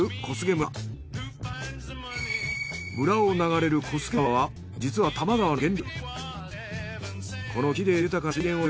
村を流れる小菅川は実は多摩川の源流。